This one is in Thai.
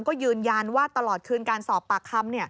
ก็ยืนยันว่าตลอดคืนการสอบปากคำ